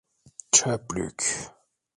Çöplük…